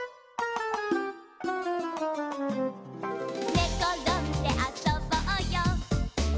「ねころんであそぼうよ」